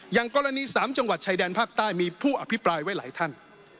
อย่างกรณี๓จังหวัดชายแดนภาคใต้มีผู้อภิปรายไว้หลายท่าน